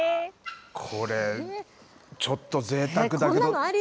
これ、ちょっとぜいたくだけど。